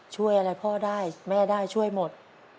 ช่วยอะไรพ่อได้แม่ได้ช่วยหมด